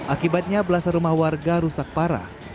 akibatnya belasan rumah warga rusak parah